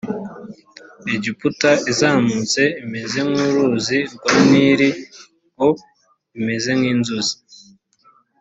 egiputa izamutse imeze nk uruzi rwa nili o imeze nk inzuzi